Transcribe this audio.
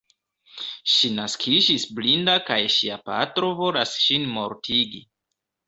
Ŝi naskiĝis blinda kaj ŝia patro volas ŝin mortigi.